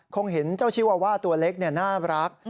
คงเห็นเจ้าชีวาว่าตัวเล็กน่ารัก